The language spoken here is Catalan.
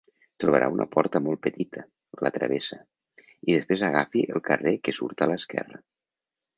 Trobarà una porta molt petita, la travessa, i després agafi el carrer que surt a l'esquerra.